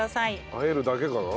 あえるだけかな？